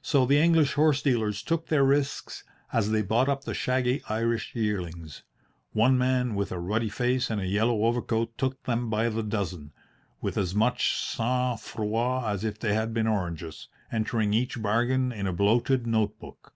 So the English horse dealers took their risks as they bought up the shaggy Irish yearlings. One man with a ruddy face and a yellow overcoat took them by the dozen, with as much sang froid as if they had been oranges, entering each bargain in a bloated note book.